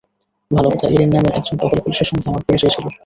ভালো কথা, এরিন নামের একজন টহল পুলিশের সঙ্গে আমার পরিচয় ছিল।